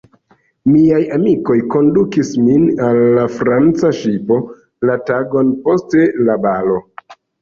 Miaj amikoj kondukis min al la Franca ŝipo, la tagon post la balo.